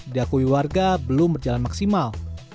diakui warga belum berjalan maksimal